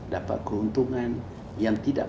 dapat keuntungan yang tidak